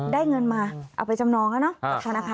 ฟังเสียงลูกจ้างรัฐตรเนธค่ะ